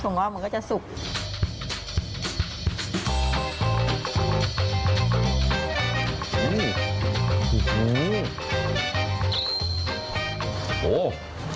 ถูกว่ามันก็จะสุก